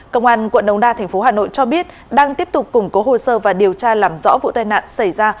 công an quận đông đa thành phố hà nội cho biết đang tiếp tục củng cố hồ sơ và điều tra làm rõ vụ tai nạn xảy ra